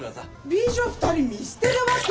美女２人見捨てるわけ？